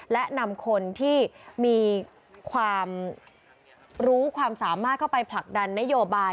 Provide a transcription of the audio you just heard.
และนำคนที่มีความรู้ความสามารถเข้าไปผลักดันนโยบาย